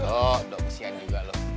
oh dok kesian juga lu